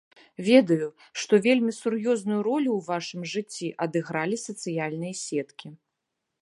Ведаю, што вельмі сур'ёзную ролю ў вашым жыцці адыгралі сацыяльныя сеткі.